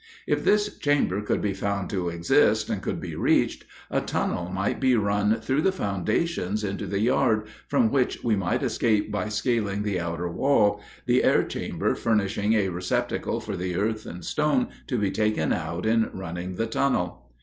If this chamber should be found to exist, and could be reached, a tunnel might be run through the foundations into the yard, from which we might escape by scaling the outer wall, the air chamber furnishing a receptacle for the earth and stone to be taken out in running the tunnel.